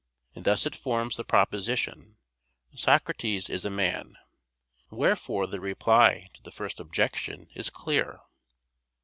And thus it forms the proposition "Socrates is a man." Wherefore the reply to the first objection is clear.